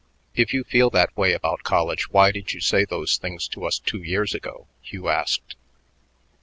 "If you feel that way about college, why did you say those things to us two years ago?" Hugh asked.